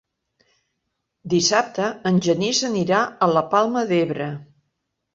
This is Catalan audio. Dissabte en Genís anirà a la Palma d'Ebre.